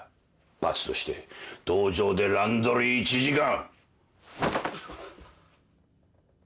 罰として道場で乱取り１時間。